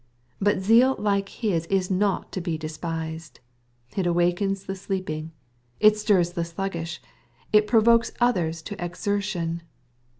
But zeal like his is not to be despised. It awakens the sleep ing. It stirs the sluggish. It provokes others to ex ertion.